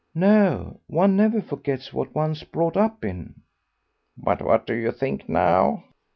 "No, one never forgets what one's brought up in." "But what do you think now?"